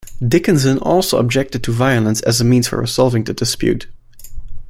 Dickinson also objected to violence as a means for resolving the dispute.